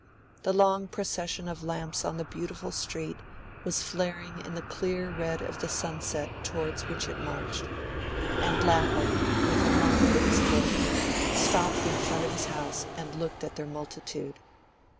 The long procession of lamps on the beautiful street was flaring in the clear red of the sunset towards which it marched, and Lapham, with a lump in his throat, stopped in front of his house and looked at their multitude.